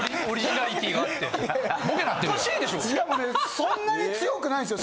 そんなに強くないんですよ。